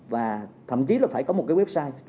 và thậm chí là phải có một cái website